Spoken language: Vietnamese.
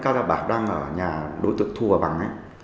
các bảo đang ở nhà đối tượng thua bằng